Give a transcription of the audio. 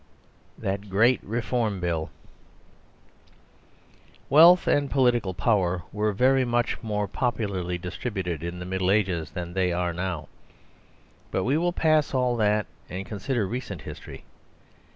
That Great Reform Bill Wealth and political power were very much more popularly distributed in the Middle Ages than they are now; but we will pass all that and consider recent history.